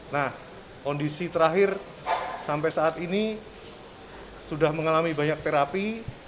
nah kondisi terakhir sampai saat ini sudah mengalami banyak terapi